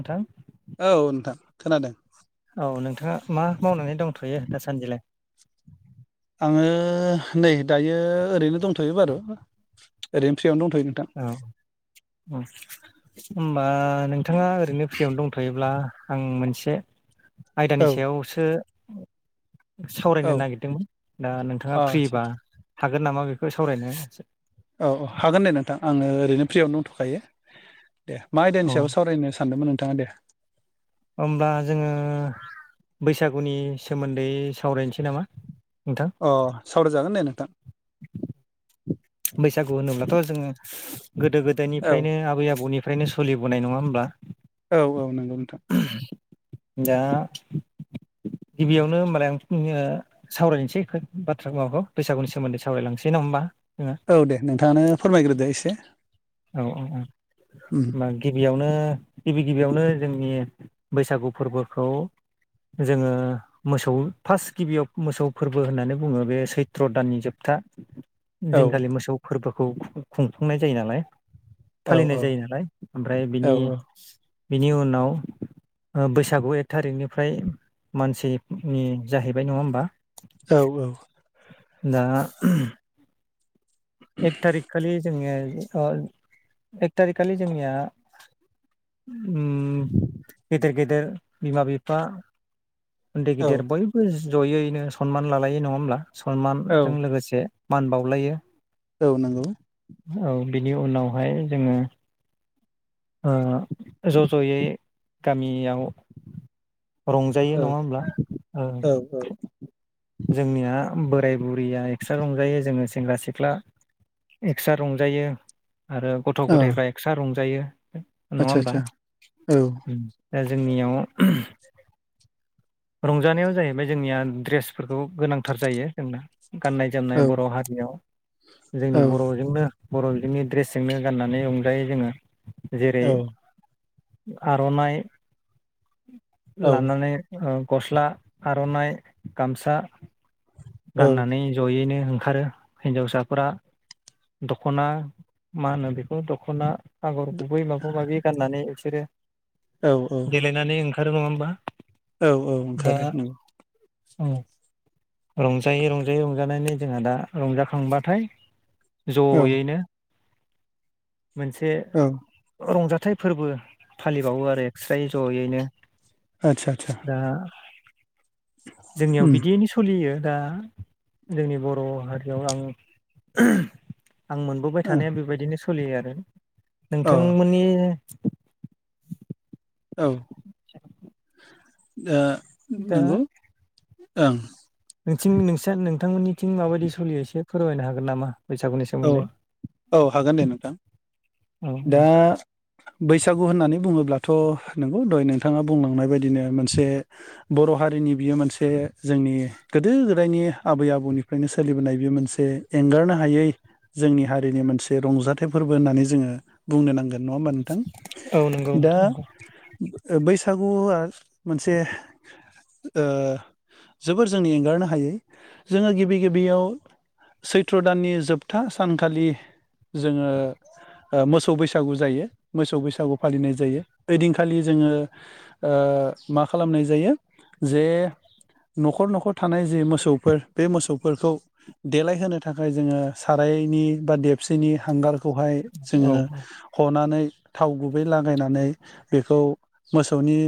अथां औ नोंथां खोनादों। औ नोंथाङा मा मावनानै दंथ'यो दासान्दिलाय? आङो नै दायो ओरैनो दंथ'यो बारु ओरैनो फ्रि यावनो दंथ'यो नोंथां उम होमबा नोंथाङा ओरैनो फ्रियावनो दंथ'योब्ला आं मोनसे औ आयदानि सायावसो औ सावरायनो नागिरदोंमोन दा नोंथाङा आदसा फ्रिबा आदसा हागोन नामा बेखौ सावरायनो औ औ हागोन दे नोंथां आङो ओरैनो फ्रियावनो दंथ'खायो दे मा औ आयदानि सायाव सावरायनो सानदोंमोन नोंथाङा दे होमबब्ला जोङो बैसागुनि सोमोन्दै सावरायनोसै नामा नोंथां अ सावरायजागोन दे नोंथां बैसागु होनोब्लाथ' जोङो गोदो औ गोदायनिफ्रायनो आबै आबौनि फ्रायनो सोलिबोनाय नङा होमबा औ औ नंगौ नोंथां दा गिबियावनो होनबालाय आं सावरायसै बाथ्रा माबाखौ बैसागुनि सोमोन्दै सावरायलांसै न होमबा जोङो औ दे नोंथाङानो फोरमायग्रोदो एसे औ औ औ उम होमबा गिबियावनो गिबि-गिबियावनो जोंनि बैसागु फोरबोखौ जोङो मोसौ फास्ट गिबियाव मोसौ फोरबो होननानै बुङो बे सैत्र दाननि जोबथा था औ दिनखालि मोसौ फोरबोखौ खुंफुंनाय जायो नालाय औ फालिनाय औ जायो नालाय ओमफ्राय औ बिनि बिनि उनाव ओ बैसागु एक थारिखनिफ्राय मानसिनि जाहैबाय नङा होमबा औ औ दा एक तारिख खालि जोंङो ओ एक तारिख खालि जोंनिया ओम गेदेर गेदेर बिमा बिफा उन्दै औ गेदिर बयबो जयैनो सनमान लालायो नङा होमब्ला औ सनमानजों लोगोसे मान बावलायो। औ नंगौ। औ बिनि उनावहाय जोङो ओ ज' ज'यै गामियाव रंजायो औ नङा होमब्ला ओं औ औ जोंनिया बोराय बुरैया एक्सट्रा रंजायो जोङो सेंग्रा सिख्ला एक्सट्रा रंजायो। आरो गथ' गथायफ्रा एक्सट्रा रंजायो। आदचा आदचा औ। ओ जोंनियाव रंजानायाव जाहैबाय जोंनिया ड्रेस फोरखौ गोनांथार जायो जोंना गाननाय औ जोमनाय बर' हारियाव। जोंनि औ बर'जोंनो। बर'जोंनि ड्रेसजोंनो गाननानै रंजायो जोङो। जेरै आर'नाइ। औ लानानै गस्ला आर'नाइ गामसा। गाननानै जयैनो। ओंखारो हिनजावसाफोरा दख'ना मा होनो बेखौ दख'ना आगर गुबै माबा माबि गाननानै बिसोरो औ औ देलायनानै ओंखारो नङा होमबा औ औ दा ओंखारो नंगौ। औ रंजायै रंजायै रंजानानै जोंहा दा रंजाखांबाथाय औ ज'यैनो मोनसे औ रंजाथाइ फोरबो फालिबावो आरो एक्स्रायै जयैनो। आतसा आतसा। दा जोंनियाव बिदियैनो सलियो। दा जोंनि बर हारियाव आं आं मोनबोबाय ओ थानाया बेबायदिनो सलियो आरो औ नोंथांमोननि औ जाबायलै ओ नंगौ ओं। नोंथिं नोंसा नोंथांमोननिथिं माबायदि सलियो एसे फोरमायनो हागोन नामा? बैसागुनि औ सोमोन्दै औ हागोन दे नोंथां। औ औ दा बैसागु होननानै बुङोब्ला थ नंगौ दहय नोंथाङा बुंलांनाय बायदिनो मोनसे बर हारिनि बियो मोनसे जों नि गोदो गोदायनि आबै आबौनिफ्रायनो सोलिबोनाय बे मोनसे एंगारनो हायै जोंनि हारिनि मोनसे रंजाथाइ फोरबो होननानै जोङो बुंनो नांगोन। नङा होबमा नोंथां? औ नंगौ दा नंगौ बैसागुआ मोनसे ओ जोबोर जोंनि एंगारनो हायै जोङो गिबि गिबियाव सैथ्र दाननि जोब था सानखालि जोङो मोसौ बैसागु जायो मोसौ बैसागु फालिनाय जायो ओइदिनखालि जोङो ओ मा खालामनाय जायो जे नखर नखर थानाय जि मोसौफोर बे मोसौफोरखौ देलायहोनो थाखाय जोङो सारायनि बा देबसेनि हांगारखौहाय औ जोङो औ हनानै थाव गुबै लागायनानै बेखौ मोसौनि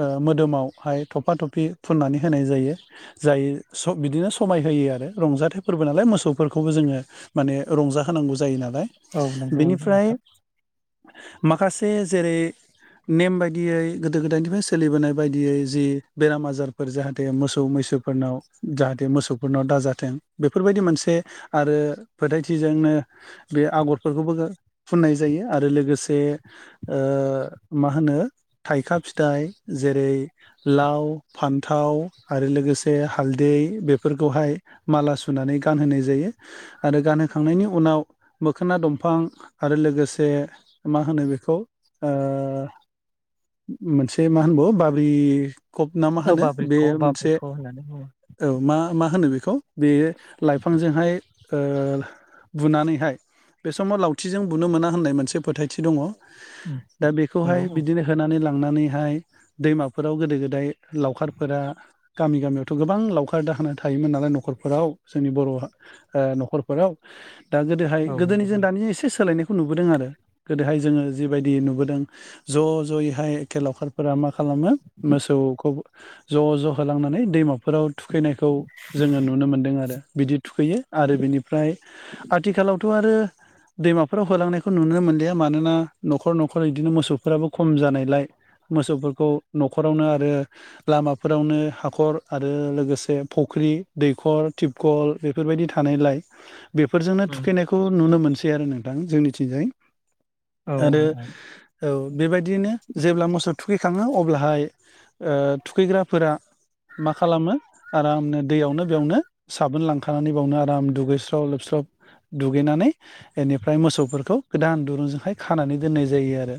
ओ मोदोमावहाय थफा थफि फुननानै होनाय जायो जायो स बिदिनो समाय होयो आरो रंजाथाइ फोरबो नालाय मोसौ फोरखौबो जोङो माने रंजा होनांगौ जायो नालाय औ नंगौ बेनिफ्राय नोंथां माखासे जेरै नेम बायदियै गोदो गोदायनिफ्राय सोलिबोनाय बायदियै जि बेराम आजारफोर जाहाथे मोसौ मैस सोफोरनाव जाहाथे मोसौफोरनाव दाजाथों बेफोरबायदि मोनसे आरो फोथायथिजोंनो बे आगरफोरखौबो फुननाय जायो आरो लोगोसे ओ ओ मा होनो थाइखा फिथाइ जेरै लाव फान्थाव आरो लोगोसे हालदै बेफोरखौहाय माला सुनानै गानहोनाय जायो आरो गानहोखांनायनि उनाव मोखोना दंफां आरो लोगोसे मा होनो बेखौ? ओ मोनसे मा होनबावो बाब्रि कप ना मा औ होनो बे बाब्रिख' मोनसे बाब्रिख' होननानै बुङो औ मा मा होनो बे खौ बे लाइफांजोंहाय ओ बुनानैहाय बे समाव लावथिजों बुनो मोना होननाय मोनसे फोथायथि दङ उम दा बेखौहाय नंगौ बिदिनो होनानै ला नानैहाय दैमाफोराव गोदो गोदाय लावखारफोरा गामि गामियावथ गोबां लावखार दा होना थायोमोन नालाय नखरफोराव जोंनि बर ओ नखरफोराव दा गोदोहाय औ नंगौ गोदोनिजों दानि एसे सोलायनाय नुबोदों आरो गोदोहाय जोङो जिबायदि नुबोदों ज जयैहाय एखे लावखारफोरा मा खालाम मो मोसौखौ ज ज होलांनानै दैमाफोराव थुखैनायखौ जोङो नुनो मो मोनदों आरो बिदि थुखैयो आरो बिनिफ्राय आथिखालावथ आरो दैमाफोराव होलांनायखौ नुनो मोनलिया मानोना नखर नखर इदिनो मोसौफोराबो खम जानायलाय मोसौफोरखौ नखरावनो आरो लामाफोरावनो हाखर आरो लोगोसे फख क्रि दैखर थिपखल बेफोरबायदि था थानायलाय बेफोरजोंनो उम थुखैनायखौ नुनो मोनसै आरो नोंथां जोंनिथिंजाय औ आरो औ बेबायदियैनो जेब्ला मोसौ थुखैखाङो अब्लाहाय ओ थुखैग्राफोरा मा खालामो आरामनो दैयावनो बेयावनो साबोन लांखानानै बेयावनो आ दाम दुगैस्र' लोबस्र' दुगैनानै बेनिफ्राय मोसौफोरखौ गोदान दुरुंजोंहाय खानानै दोननाय जायो आरो।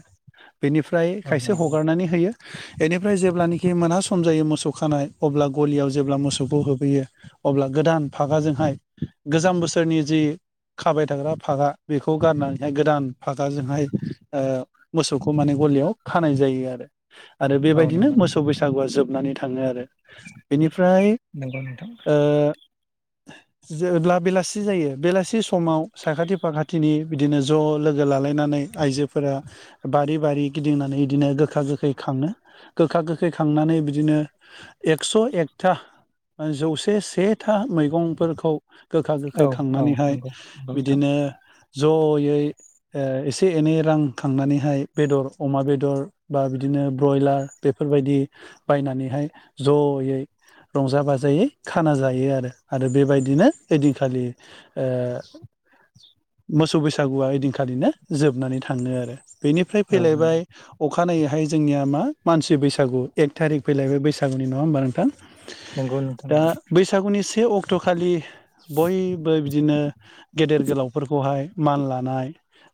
बेनिफ्राय औ खायसे नंगौ हगारनानै होयो बेनिफ्राय जेब्लानाखि मोनासम जायो मोसौ खानाय अब्ला गलियाव जेब्ला मोसौखौ होबोैयो अब्ला गोदान फागाजोंहाय गोजाम बोसोरनि जि खाबाय थाग्रा फागा बेखौ गारनानैहाय गोदान फागाजोंहाय ओ मोसौखौ माने गलियाव खानाय जायो आरो। आरो औ बेबायदिनो नंगौ मोसौ नोंथां बैसागुआ जोबनानै थाङो आरो। बेनिफ्राय नंगौ नोंथां ओ जेब्ला बेलासि जायो बेलासि समाव साखाथि फाखाथिनि बिदिनो ज' लोगो लालायनानै आइजोफोरा बारि बारि गिदिंनानै बिदिनो गोखा गोखै खाङो गोखा गोखै खांना नानै बिदिनो एकस' एकटा ओ जौसे सेथा मैगंफोर खौ गोखा औ गोखै औ खांनानैहाय नंगौ नंगौ नोंथां बिदिनो जयै ओ एसे एनै रां खांनानैहाय बेदर अमा बेदर बा बिदिनो ब्रयलार बेफोरबायदि बायनानैहाय जयै रंजा बाजायै खाना जायो आरो आरो बेबाय दिनो ओइदिनखालि ओ मोसौ बैसागुआ ओदिनखालिनो जोबनानै थांङो आरो बेनिफ्राय औ फैलायबाय अखानायै हाय जोंनिया मा मानसि बैसागु एक थारिक फैलाय बे बैसागुनि नङा होमबा नोंथां? नंगौ नंगौ नोंथां दा नंगौ बैसागुनि से अक्ट' खालि बयबो बिदिनो गेदेर गोलावफोरखौहाय मान लानाय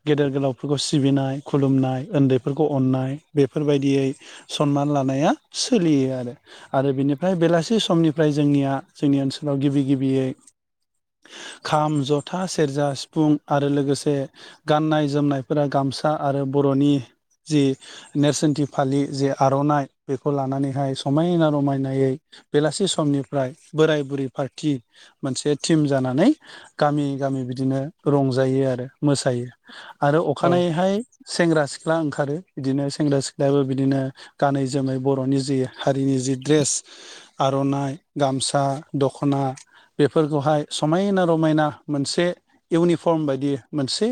गेदेर गोलावफोरखौ सिबिनाय खुलुमनाय उन्दैफोरखौ अननाय बेफोरबाय दियै सनमान लानाया सोलियो आरो‌। आरो बिनिफ्राय बेलासि समनिफ्राय जोंनिया जोंनि ओनसोलाव गिबि गिबियै खाम जथा सेरजा सिफुं आरो लोगोसे गान्नाय जोमनायफोरा गाम सा आरो बर'नि जि नेरसोनथि फालि जि आर'नाइ बेखौ लानानैहाय समायना रमायनायै बेलासि समनिफ्राय बोराय बुरै पार्टि‌ मोनसे टिम जानानै गामि गामि बिदिनो रंजायो आरो मोसायो। आरो औ अखानायैहाय सेंग्रा सिख ला ओंखारो बिदिनो सेंग्रा सिख्लायाबो बिदिनो गानै जोमै बर'नि जि हारिनि जि द्रेस आर'नाइ, गामसा, दख'ना बेफोरखौहाय समायना रमायना मोनसे इउनिफर्म बायदि मोनसे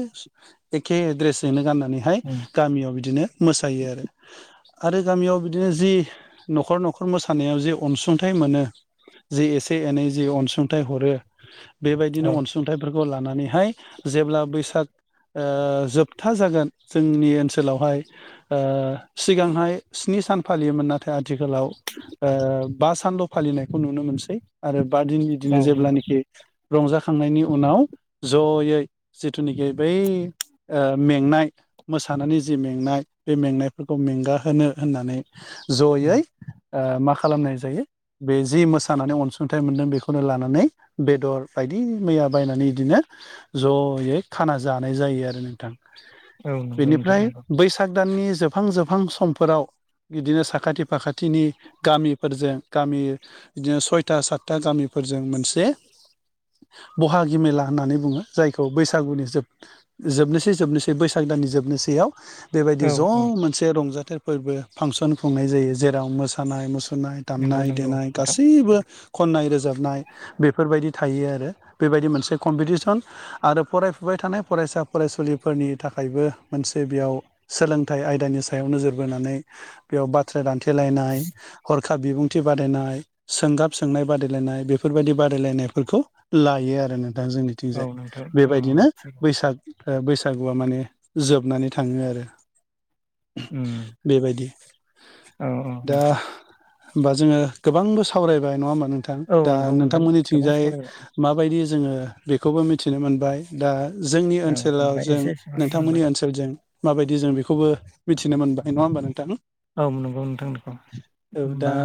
एखे द्रेसजोंनो गाननानैहाय उम गामियाव बिदिनो मोसायो आरो। आरो गामियाव बिदिनो जि न'खर न'खर मोसानायाव जि अनसुंथाइ मोनो जि एसे एनै जि अनसुंथाइ हरो बेबायदिनो औ अनसुंथाइफोरखौ लानानै हाय जेब्ला बैसाग ओ जोबथा जागोन जोंनि ओनसोलावहाय ओ सिगांहाय स्नि सान फालियोमोन नाथाय आथिखालाव ओ बा सानल' फालिनायखौ नुनो मोनसै आरो बा दिन दिनो औ नंगौ जेब्लानिखि रंजा खांनायनि उनाव जयै जिथुनिखि बै ओ मेंनाय मोसानानै जि मेंनाय बे मेंनायफोरखौ मेंगाहोनो होननानै उम जयै मा ओ खालामनाय जायो बे जि मोसानानै अनसुंथाइ मोनदों बेखौ नो लानानै बेदर बायदि मैया बायनानै इदिनो जयै खाना जानाय जा यो आरो नोंथां। औ नंगौ नोंथां बेनिफ्राय नंगौ बैसाग दाननि जोबहां जोबहां समफोराव बिदिनो साखाथि फाखाथिनि गामिफोरजों गामि बिदिनो सयथा साथथा गामिफ फोरजों मोनसे बहागि मेला होननानै बुङो। जायखौ बैसागुनि जोब जोबनोसै जोबनोसै बैसाग दा नि जोबनोसैयाव बेबायदि औ ज' औ मोनसे रंजाथाइ फोरबो फांसन खुंनाय जायो जेराव मोसानाय मुसुर फोरनाय नंगौ दामनाय नंगौ देनाय नोंथां गासैबो खनाय रोज नाय बेफोरबायदि थायो आरो बेबायदि मोनसे कम्पिदिसन आरो फरायफुबाय थानाय फरायस सा फरायसुलिफोरनि थाखायबो मोनसे बेयाव सोलोंथाइ आयदानि सायाव नोजोर बोनानै। बेयाव बाथ्रा दान्थेलायनाय हरखााब बिबुंथि बादायनाय सोंगाब सोंनाय बादायलायनाय। बेफोरबायदि बादायलायनायफोरखौ लायो आरो नो दा औ जोंनिथिंजाय नोंथां औ बेबायदिनो थिग बैसाग बैसा सागुआ माने जोबनानै थाङो आरो। उम बेबायदि औ औ दा। नोंथां होमबा जोङो गोबांबो सावरायबाय नङा होमबा नों औ दा नंगौ नोंथां गोबां नोंथांमोननिथिंजाय सावरायबाय माबायदिज जोङो बेखौबो मिथिनो मोनबाय दा जोंनि औ ओनसोलाव मोनबाय जों एसे एसेबां मोनबाय नोंथांमोननि ओनसोलजों। माबायदि जों बेखौबो मिथिनो मोनबाय नंङा होमबा नोंथां। औ नोंगौ नोंथां नोंगौ औ दा होमबा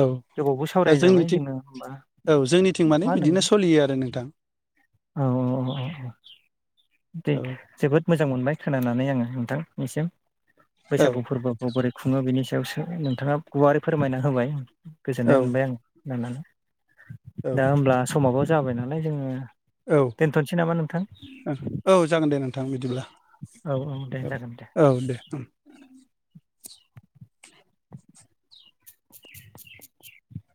औ गोबावबो साव दा जोंनिथिं औ जोंनिथिं मा माने होनदों बिदिनो नोंथां सोलियो आरो नोंथां। औ औ औ औ। दे औ जोबोद मोजां मोनबाय खोनानानै आङो नोंथां निसिम। औ बैसागु फोरबोखौ बोरै खुङो बेनि सायाव सो नोंथाङा गुवारै फोरमायना होबाय। औ गोजोननाय मोनबाय आं होनानै औ दा होमब्ला समाबो जाबाय नालाय जोङो। औ दोनथ'नोसै नामा नोंथां औ जागोन दे नोंथां बिदिब्ला। औ औ दे जागोन दे औ औ दे उम। [inaudible]